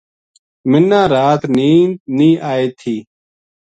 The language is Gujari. مَنا رات نیند نیہہ آئے تھی